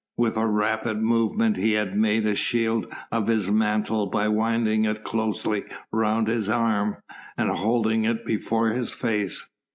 With a rapid movement he had made a shield of his mantle by winding it closely round his arm, and holding it before his face.